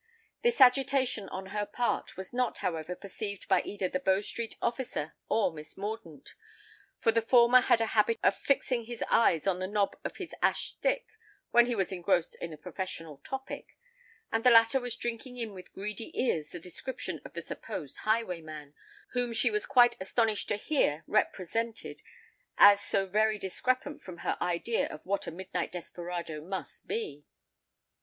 This agitation on her part was not however perceived by either the Bow Street officer or Miss Mordaunt; for the former had a habit of fixing his eyes on the knob of his ash stick when he was engrossed in a professional topic; and the latter was drinking in with greedy ears the description of the supposed highwayman, whom she was quite astonished to hear represented as so very discrepant from her idea of what a midnight desperado must be.